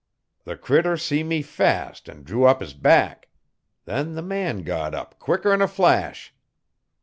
The critter see me fast an' drew up 'is back. Then the man got up quickerin' a flash.